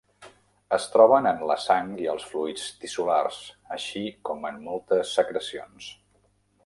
Es troben en la sang i els fluids tissulars, així com en moltes secrecions.